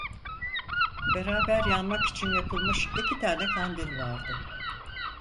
Beraber yanmak için yapılmış iki tane kandil vardı.